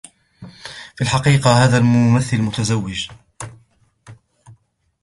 في الحقيقة ، هذا الممثّل متزوج.